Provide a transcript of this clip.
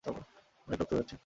অনেক রক্ত বেরাচ্ছে।